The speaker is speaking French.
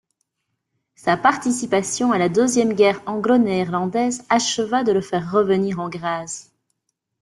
Sa participation à la deuxième guerre anglo-néerlandaise acheva de le faire revenir en grâce.